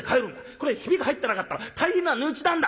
これはヒビが入ってなかったら大変な値打ちなんだ！』」。